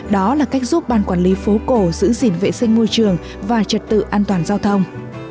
đó là cách giúp ban quản lý phố cổ giữ gìn vệ sinh môi trường và trật tự an toàn giao thông